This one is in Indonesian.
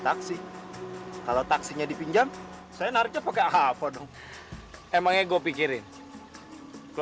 eh tuh akhirnya dia pulang yang ditunggu tunggu